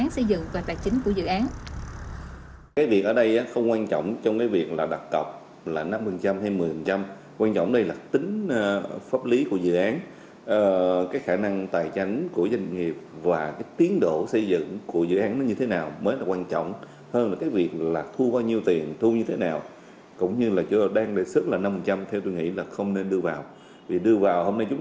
lý dự án phương án xây dựng và tài chính của dự án